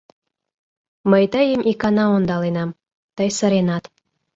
Мый тыйым икана ондаленам, тый сыренат...